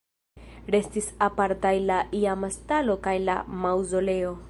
Restis apartaj la iama stalo kaj la maŭzoleo.